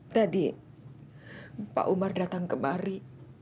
tadi pak umar datang kemari